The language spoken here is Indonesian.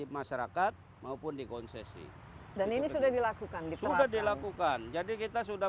masyarakat maupun dikonsesi dan ini sudah dilakukan di seluruh dilakukan jadi kita sudah